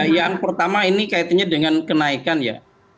yang pertama ini kaitannya dengan kenaikan ya